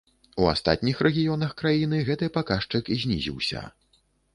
У астатніх рэгіёнах краіны гэты паказчык знізіўся.